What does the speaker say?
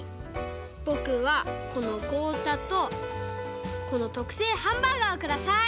ぼくはこのこうちゃとこのとくせいハンバーガーをください！